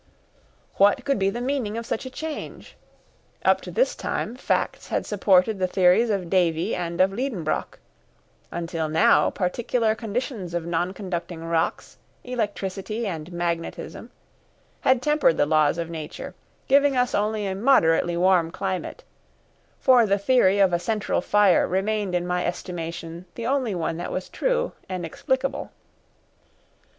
What could be the meaning of such a change? Up to this time facts had supported the theories of Davy and of Liedenbrock; until now particular conditions of non conducting rocks, electricity and magnetism, had tempered the laws of nature, giving us only a moderately warm climate, for the theory of a central fire remained in my estimation the only one that was true and explicable.